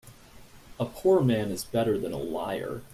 A poor man is better than a liar.